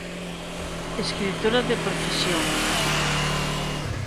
Escritora de profesión.